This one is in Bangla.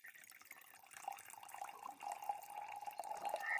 বাবা যদি তোমাকে দেখে?